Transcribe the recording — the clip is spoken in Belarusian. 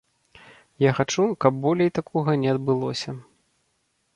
Я хачу, каб болей такога не адбылося.